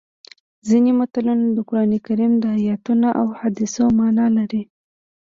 ځینې متلونه د قرانکریم د ایتونو او احادیثو مانا لري